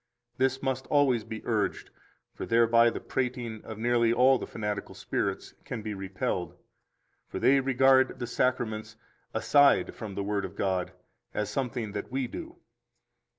7 This must always be urged, for thereby the prating of nearly all the fanatical spirits can be repelled. For they regard the Sacraments, aside from the Word of God, as something that we do.